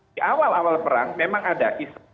di awal awal perang memang ada isu